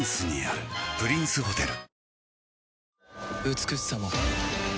美しさも